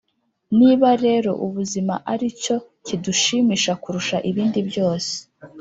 niba rero ubuzima ari cyo kidushimisha kurusha ibindi byose